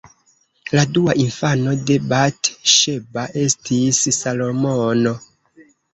La dua infano de Bat-Ŝeba estis Salomono.